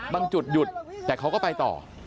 บางจุดหยุดแต่เขาก็ไปต่อ